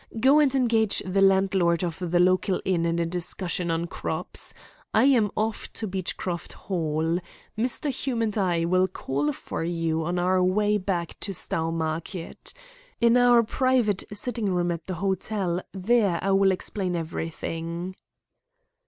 Go and engage the landlord of the local inn in a discussion on crops. I am off to Beechcroft Hall. Mr. Hume and I will call for you on our way back to Stowmarket. In our private sitting room at the hotel there I will explain everything."